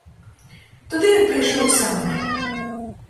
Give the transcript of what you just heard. Туды ён прыйшоў сам.